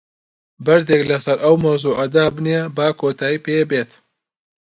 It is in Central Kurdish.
بەردێک لەسەر ئەو مەوزوعە دابنێ، با کۆتایی پێ بێت.